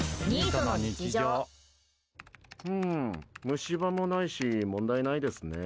虫歯もないし問題ないですね。